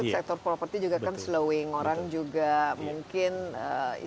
berapa harga kendaraan ini ibu